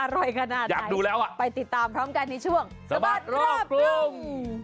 อร่อยขนาดใดไปติดตามพร้อมกันในช่วงสบัตรรอบรุ่งอยากดูแล้ว